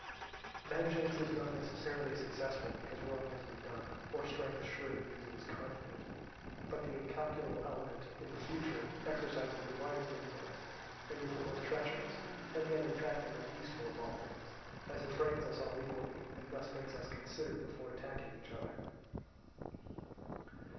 Vengeance is not necessarily successful because wrong has been done, or strength sure because it is confident; but the incalculable element in the future exercises the widest influence, and is the most treacherous, and yet in fact the most useful of all things, as it frightens us all equally, and thus makes us consider before attacking each other.